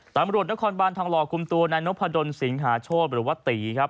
ตำรวจนครบานทองหล่อคุมตัวนายนพดลสิงหาโชธหรือว่าตีครับ